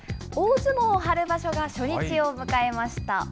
大相撲春場所が初日を迎えました。